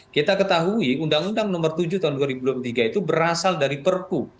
kita ketahui undang undang nomor tujuh tahun dua ribu dua puluh tiga itu berasal dari perpu